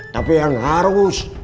tapi yang harus